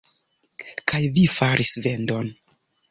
Kaj vi faris vendon.